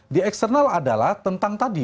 di eksternal adalah tentang tadi